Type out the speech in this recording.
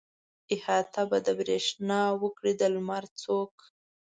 احاطه به د برېښنا وکړي د لمر څوک.